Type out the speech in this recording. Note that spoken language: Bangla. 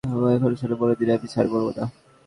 একবার স্যরি বলে দিন, - আমি স্যরি বলবো না।